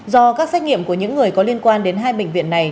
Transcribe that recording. do các xét nghiệm của những người có liên quan đến hai bệnh viện này